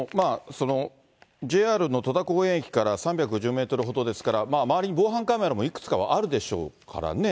ＪＲの戸田公園駅から３５０メートルほどですから、周りに防犯カメラもいくつかはあるでしょうからね。